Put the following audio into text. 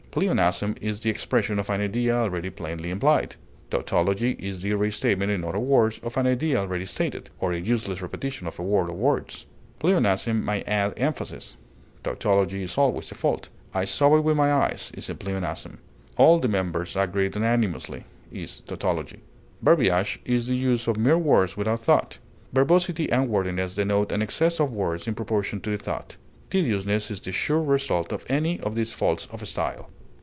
Pleonasm is the expression of an idea already plainly implied; tautology is the restatement in other words of an idea already stated, or a useless repetition of a word or words. Pleonasm may add emphasis; tautology is always a fault. "I saw it with my eyes" is a pleonasm; "all the members agreed unanimously" is tautology. Verbiage is the use of mere words without thought. Verbosity and wordiness denote an excess of words in proportion to the thought. Tediousness is the sure result of any of these faults of style.